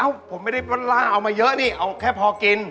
ผมไม่ได้ล่าเอามาเยอะนี่เอาแค่พอกิน